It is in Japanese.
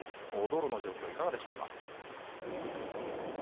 道路の状況いかがでしょうか？